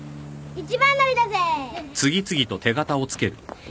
二番乗りだぜぇ！